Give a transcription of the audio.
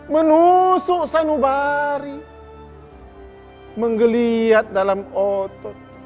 menusuk sanubari menggeliat dalam otot